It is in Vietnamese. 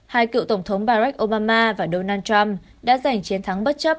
hai cựu tổng thống barack obama và donald trump đã giành chiến thắng bất chấp